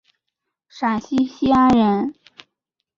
陕西西安人。